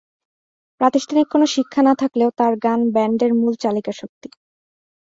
প্রাতিষ্ঠানিক কোন শিক্ষা না থাকলেও তার গান ব্যান্ডের মূল চালিকাশক্তি।